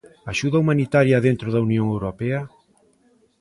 Axuda humanitaria dentro da Unión Europea?